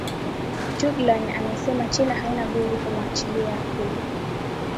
juglan amesema china haina budi kumwachilia huru